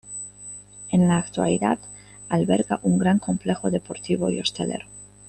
En la actualidad alberga un gran complejo deportivo y hostelero.